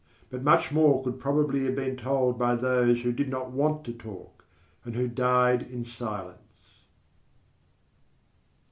But much more could probably have been told by those who did not want to talk, and who died in silence.